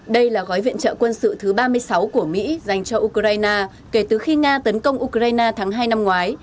đây là gói viện trợ quân sự thứ ba mươi sáu của mỹ dành cho ukraine kể từ khi nga tấn công ukraine tháng hai năm ngoái